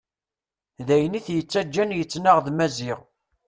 D ayen it-yettaǧǧan yettnaɣ d Maziɣ.